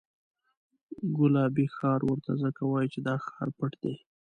ګلابي ښار ورته ځکه وایي چې دا ښار پټ دی.